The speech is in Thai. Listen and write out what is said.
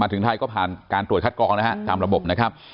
ถึงไทยก็ผ่านการตรวจคัดกรองนะฮะตามระบบนะครับ